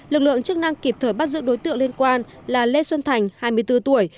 lực lượng chức năng kịp thời bắt giữ đối tượng liên quan là lê xuân thành hai mươi bốn tuổi